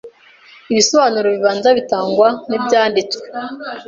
ibisobanuro bibanza bitangwa n’Ibyanditswe.